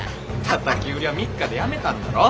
たたき売りは３日でやめたんだろ？